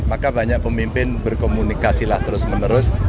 maka banyak pemimpin berkomunikasi lah terus menerus